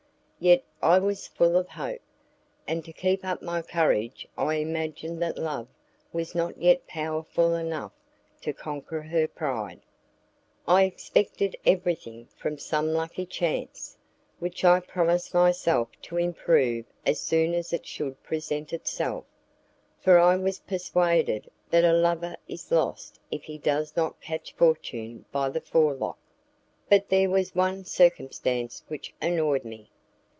Yet I was full of hope, and to keep up my courage I imagined that love was not yet powerful enough to conquer her pride. I expected everything from some lucky chance, which I promised myself to improve as soon as it should present itself, for I was persuaded that a lover is lost if he does not catch fortune by the forelock. But there was one circumstance which annoyed me.